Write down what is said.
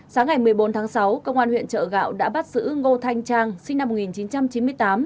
sáng ngày một mươi bốn tháng sáu công an huyện chợ gạo đã bắt giữ ngô thanh trang sinh năm một nghìn chín trăm chín mươi tám